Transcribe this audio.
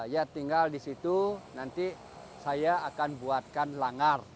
ya tinggal di situ nanti saya akan buatkan langar